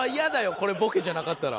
これボケじゃなかったら。